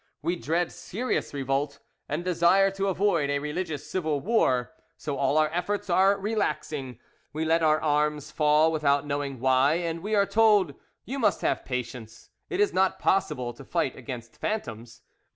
We dread serious revolt, and desire to avoid a religious civil war; so all our efforts are relaxing, we let our arms fall without knowing why, and we are told, 'You must have patience; it is not possible to fight against phantoms.